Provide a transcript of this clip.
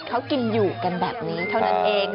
เขากินอยู่กันแบบนี้เท่านั้นเอง